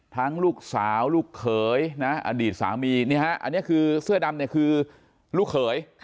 ลูกสาวลูกเขยนะอดีตสามีนี่ฮะอันนี้คือเสื้อดำเนี่ยคือลูกเขย